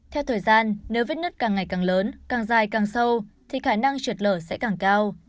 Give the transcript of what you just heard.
theo thời gian nếu vết nứt càng ngày càng lớn càng dài càng sâu thì khả năng trượt lở sẽ càng cao